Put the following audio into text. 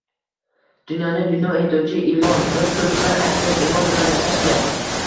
Dunyoni dunyo etuvchi — imon. Bir so‘z bilan aytsak, imon bilan yashash kerak!